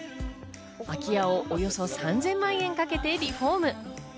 空き家をおよそ３０００万円かけてリフォーム。